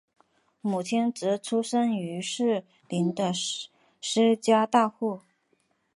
母亲则出身于士林的施家大户。